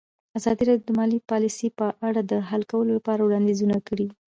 ازادي راډیو د مالي پالیسي په اړه د حل کولو لپاره وړاندیزونه کړي.